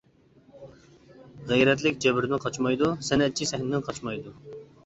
غەيرەتلىك جەبرىدىن قاچمايدۇ، سەنئەتچى سەھنىدىن قاچمايدۇ.